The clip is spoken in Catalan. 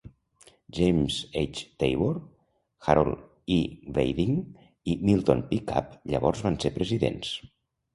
James H. Tabor, Harold E. Weidig, i Milton Pickup llavors van ser presidents.